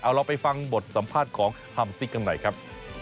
เอาเราไปฟังบทสัมภาษณ์ของฮัมซิกกันหน่อยครับ